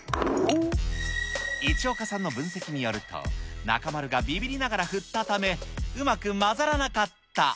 市岡さんの分析によると、中丸がびびりながら振ったため、うまく混ざらなかった。